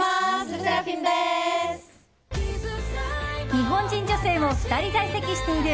日本人女性も２人在籍している